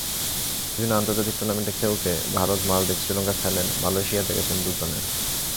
বিভিন্ন আন্তর্জাতিক টুর্নামেন্টে খেলতে ভারত, মালদ্বীপ, শ্রীলঙ্কা, থাইল্যান্ড, মালয়েশিয়াতে গেছেন দুজনে।